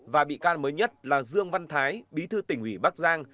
và bị can mới nhất là dương văn thái bí thư tỉnh ủy bắc giang